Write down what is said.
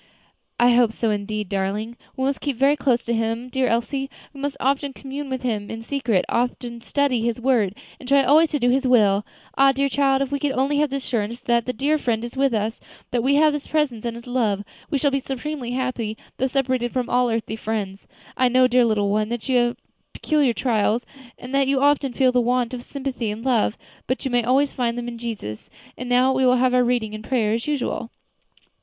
"I hope so indeed, darling. We must keep very close to Him, dear Elsie; we must often commune with Him in secret; often study His word, and try always to do His will. Ah! dear child, if we can only have the assurance that that dear Friend is with us that we have His presence and His love, we shall be supremely happy, though separated from all earthly friends. I know, dear little one, that you have peculiar trials, and that you often feel the want of sympathy and love; but you may always find them in Jesus. And now we will have our reading and prayer as usual."